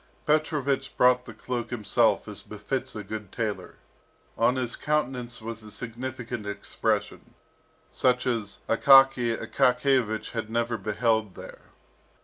Petrovich brought the cloak himself as befits a good tailor. On his countenance was a significant expression, such as Akaky Akakiyevich had never beheld there.